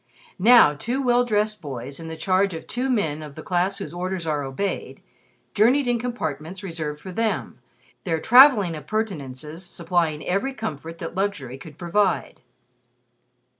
Now, two well dressed boys in the charge of two men of the class whose orders are obeyed, journeyed in compartments reserved for them, their traveling appurtenances supplying every comfort that luxury could provide.